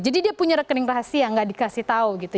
jadi dia punya rekening rahasia nggak dikasih tahu gitu